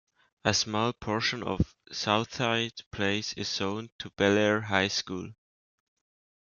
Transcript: A small portion of Southside Place is zoned to Bellaire High School.